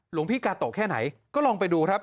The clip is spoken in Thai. หลวงพี่กาโตะแค่ไหนก็ลองไปดูครับ